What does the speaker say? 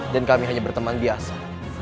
dan kami hanya berteman biasa